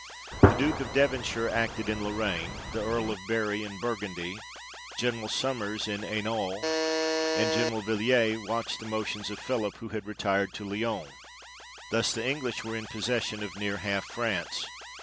The Duke of Devonshire acted in Lorraine, the Earl of Bury in Burgundy, General Sommers in Hainault, and General Villiers watched the motions of Philip, who had retired to Lyons. Thus the English were in possession of near half France.